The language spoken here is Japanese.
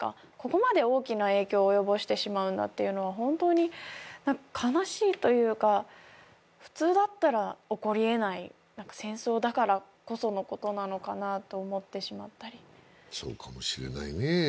ここまで大きな影響を及ぼしてしまうんだっていうのは本当に悲しいというか普通だったら起こりえない戦争だからこそのことなのかなと思ってしまったりそうかもしれないね